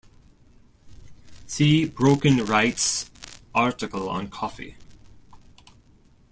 See Broken Rites' article on Coffey.